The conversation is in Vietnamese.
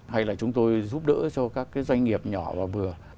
hay là chúng tôi giúp đỡ cho các cái doanh nghiệp nhỏ và vừa